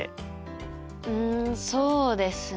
んそうですね。